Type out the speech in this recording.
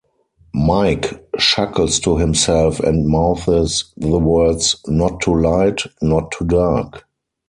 Mike chuckles to himself and mouths the words "not too light, not too dark".